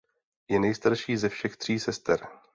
Je nejstarší ze všech tří sester.